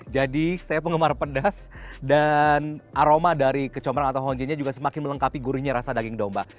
jadi saya penggemar pedas dan aroma dari kecomeran atau honjainya juga semakin melengkapi gurunya rasa daging domba